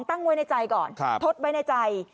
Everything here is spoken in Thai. ตั้งไว้ในใจก่อนทดไว้ในใจ